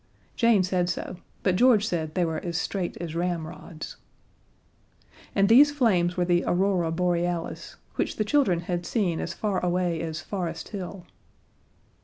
Jane said so, but George said they were as straight as ramrods. And these flames were the Aurora Borealis, which the children had seen as far away as Forest Hill.